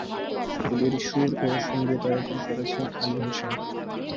এটির সুর ও সঙ্গীতায়োজন করেছেন আলী হোসেন।